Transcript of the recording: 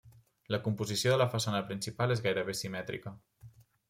La composició de la façana principal és gairebé simètrica.